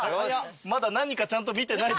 まだ何かちゃんと見てない。